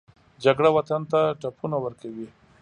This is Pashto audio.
جګړه وطن ته ټپونه ورکوي